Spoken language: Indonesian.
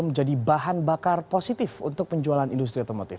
menjadi bahan bakar positif untuk penjualan industri otomotif